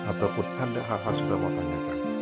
ataupun anda hal hal sudah mau tanyakan